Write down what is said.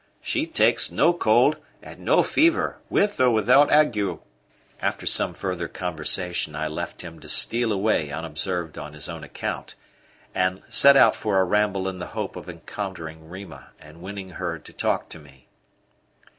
She takes no cold, and no fever, with or without ague." After some further conversation I left him to steal away unobserved on his own account, and set out for a ramble in the hope of encountering Rima and winning her to talk to me.